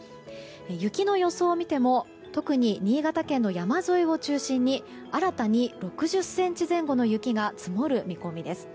雪の予想を見ても特に新潟県の山沿いを中心に新たに６０ｃｍ前後の雪が積もる見込みです。